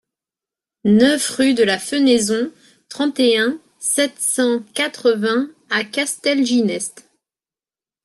neuf rUE DE LA FENAISON, trente et un, sept cent quatre-vingts à Castelginest